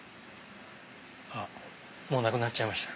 あっもうなくなっちゃいました。